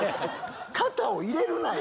肩を入れるなよ。